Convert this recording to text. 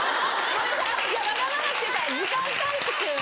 わがままっていうか時間短縮。